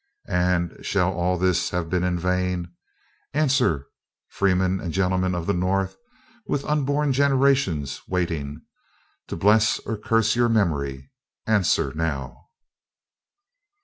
And shall all this have been in vain? Answer, freemen and gentlemen of the North, with unborn generations waiting: to bless or curse your memory, answer now!